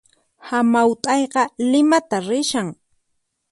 Hamaut'ayqa Limata rishan